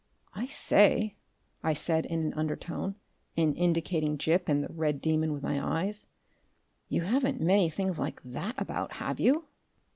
"I say," I said, in an undertone, and indicating Gip and the red demon with my eyes, "you haven't many things like THAT about, have you?"